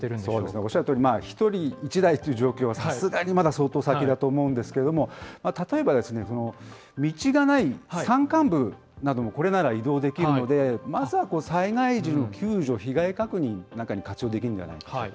おっしゃるとおり、１人に１台という状況はさすがにまだ相当先だと思うんですけれども、例えば、道がない山間部などもこれなら移動できるので、まずは災害時の救助、被害確認の中に活用できるんじゃないかと。